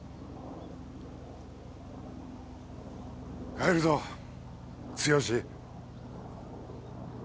帰るぞ剛。